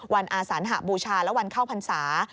อาสันหบูชาและวันเข้าพรรษา